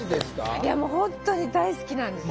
いやもう本当に大好きなんですよ。